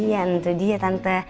nah iya nanti dia tante